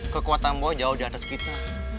kekuatan bo jauh di atas kita